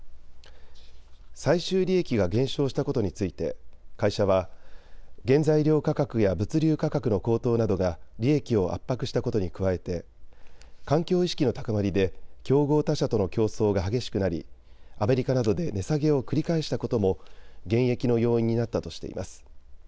最終利益が減少したことについて会社は、原材料価格や物流価格の高騰などが利益を圧迫したことに加えて環境意識の高まりで競合他社との競争が激しくなりアメリカなどで値下げを繰り返したことも減益の要因になったとしています。